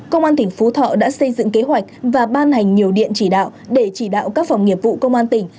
công an tỉnh phú thọ đã xây dựng kế hoạch và ban hành nhiều điện chỉ đạo để chỉ đạo các phòng nghiệp vụ công an tỉnh